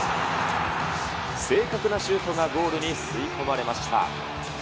正確なシュートがゴールに吸い込まれました。